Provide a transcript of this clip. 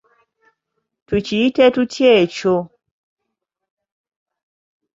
Tukiyite tutya ekyo?